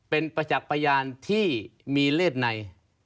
เป็นจากพยานที่มีเล่นใน